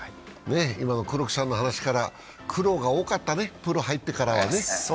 今の黒木さんの話から、苦労が多かったね、プロに入ってからはね。